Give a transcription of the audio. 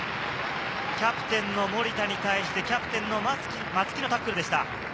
キャプテンの森田に対して、キャプテンの松木のタックルでした。